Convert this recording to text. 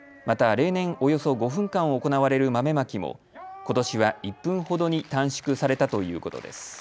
また例年およそ５分間行われる豆まきもことしは１分ほどに短縮されたということです。